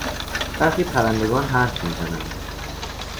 برخی پرندگان حرف میزنند.